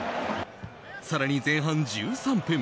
更に、前半１３分。